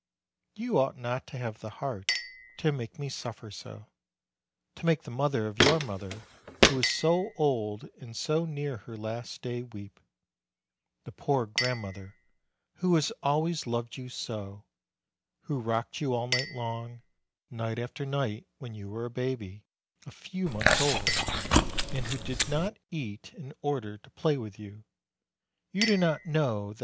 You ought not to have the heart to make me suffer so, to make the mother of your mother, who is so old and so near her last day, weep; the poor grandmother who has always loved you so, who rocked you all night long, night after night, when you were a baby a few months old, and who did not eat in order to play with you, you do not know that!